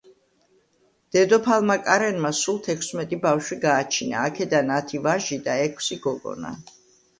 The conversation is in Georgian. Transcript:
დედოფალმა კარენმა სულ თექვსმეტი ბავშვი გააჩინა, აქედან ათი ვაჟი და ექვსი გოგონა.